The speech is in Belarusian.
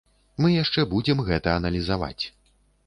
Мы яшчэ будзем гэта аналізаваць.